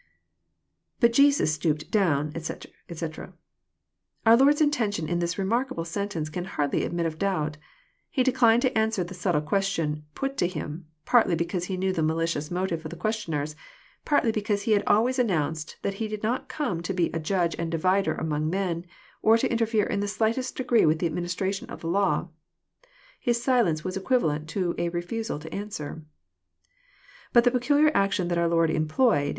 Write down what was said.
{But Jesus stooped down, etc., etc.'] Our Lord's intention in this remarkable sentence can hardly admit of doubt. He declined to answer the subtle question put to Him, partly be cause he knew the malicious motive of the questioners, partly because He had always announced that He did not come to be '' a Judge and divider" among men, or to interfere in the slightest degree with the administration of the law. His silence was equivalent to a refusarto answer. "^"^ But the peculiar action that our Lord employed.